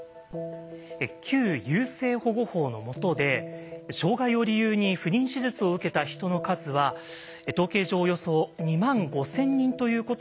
旧優生保護法の下で障害を理由に不妊手術を受けた人の数は統計上およそ２万５，０００人ということは分かっています。